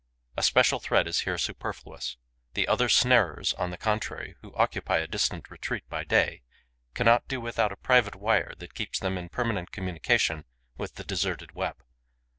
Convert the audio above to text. A special thread is here superfluous. The other snarers, on the contrary, who occupy a distant retreat by day, cannot do without a private wire that keeps them in permanent communication with the deserted web.